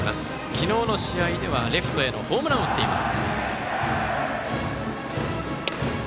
昨日の試合ではレフトへのホームランを打っています。